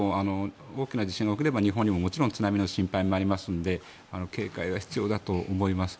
大きな地震が起きれば日本にも津波の心配がありますので警戒は必要だと思います。